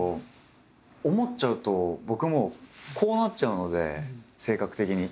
思っちゃうと僕もうこうなっちゃうので性格的に。